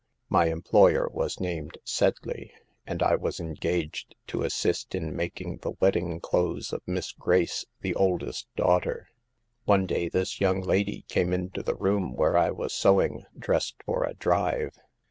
My employer was named Sedley, and I was engaged to assist in making the wedding clothes of Miss Grace, the oldest daughter. "* One day this young lady came into the room where I was sewing, dressed for a drive.